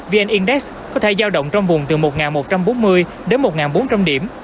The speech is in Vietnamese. vn index có thể giao động trong vùng từ một một trăm bốn mươi đến một bốn trăm linh điểm